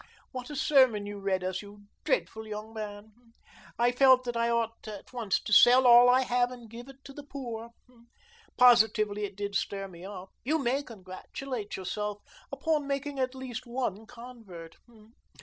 What a sermon you read us, you dreadful young man. I felt that I ought at once to 'sell all that I have and give to the poor.' Positively, it did stir me up. You may congratulate yourself upon making at least one convert.